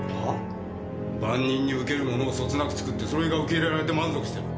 万人に受けるものをそつなく作ってそれが受け入れられて満足している。